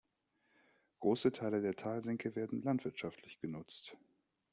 Große Teile der Talsenke werden landwirtschaftlich genutzt.